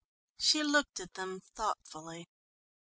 She looked at them thoughtfully.